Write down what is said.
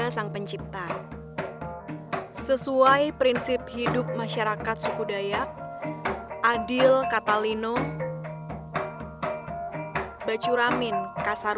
sampai bertemu lagi mama kakak